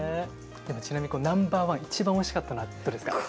ちなみにナンバーワン一番おいしかったのはどれですか？